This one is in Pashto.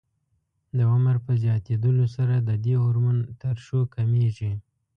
د عمر په زیاتېدلو سره د دې هورمون ترشح کمېږي.